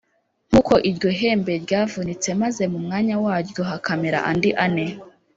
nk uko iryo hembe ryavunitse maze mu mwanya waryo hakamera andi ane